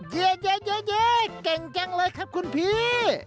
เยอะเก่งจังเลยครับคุณพี่